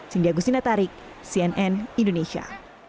sindyago sina tarik cnn indonesia